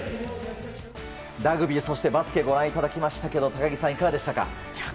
ラグビー、そしてバスケをご覧いただきましたけども高木さん、いかがでしたか？